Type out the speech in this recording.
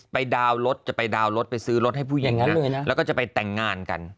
ดาวน์รถจะไปดาวน์รถไปซื้อรถให้ผู้หญิงนั้นแล้วก็จะไปแต่งงานกัน